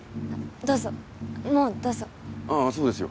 どうぞもうどうぞああそうですよ